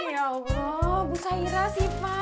ya allah bu saira siva